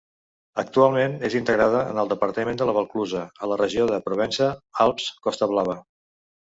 Actualment és integrada en el departament de la Valclusa, a la regió de Provença-Alps-Costa Blava.